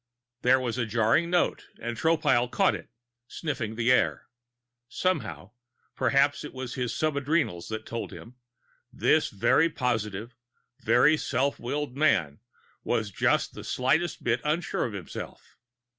There was a jarring note and Tropile caught at it, sniffing the air. Somehow perhaps it was his sub adrenals that told him this very positive, very self willed man was just the slightest bit unsure of himself.